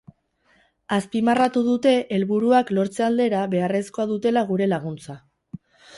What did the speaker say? Azpimarratu dute, helburuak lortze aldera, beharrezkoa dutela gure laguntza.